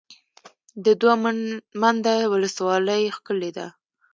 د دوه منده ولسوالۍ ښکلې ده